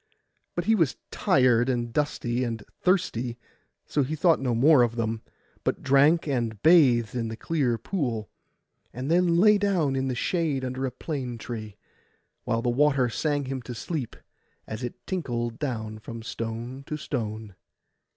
But he was tired, and dusty, and thirsty; so he thought no more of them, but drank and bathed in the clear pool, and then lay down in the shade under a plane tree, while the water sang him to sleep, as it tinkled down from stone to stone.